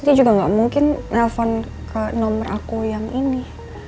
dia juga gak mungkin nelfon ke nomor aku yang ini